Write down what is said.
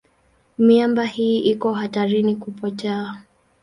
Miamba hii iko hatarini kupotea.